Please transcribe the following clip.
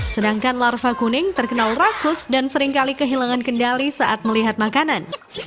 sedangkan larva kuning terkenal rakus dan seringkali kehilangan kendali saat melihat makanan